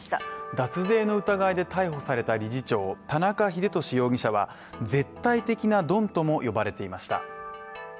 脱税の疑いで逮捕された理事長田中英寿容疑者は、絶対的なドンとも呼ばれていました。